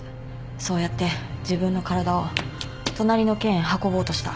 そうやって自分の体を隣の県へ運ぼうとした。